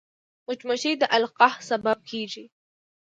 مچمچۍ د القاح سبب کېږي